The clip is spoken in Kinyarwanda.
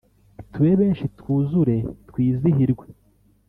Tube benshi twuzure twizihirwe